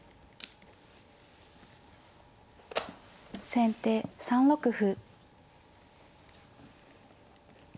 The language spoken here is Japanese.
先手３六歩。